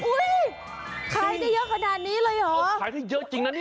อุ้ยขายได้เยอะขนาดนี้เลยหรอขายได้เยอะจริงนะ